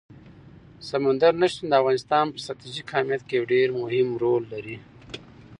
سمندر نه شتون د افغانستان په ستراتیژیک اهمیت کې یو ډېر مهم رول لري.